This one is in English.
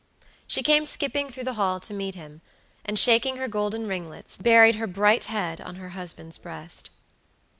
She came skipping through the hall to meet him, and, shaking her golden ringlets, buried her bright head on her husband's breast.